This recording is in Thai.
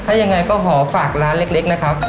ถ้ายังไงก็ขอฝากร้านเล็กนะครับ